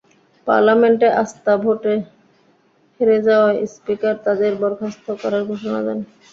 পার্লামেন্টে আস্থা ভোটে হেরে যাওয়ায় স্পিকার তাঁদের বরখাস্ত করার ঘোষণা দেন।